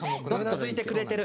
うなずいてくれてる。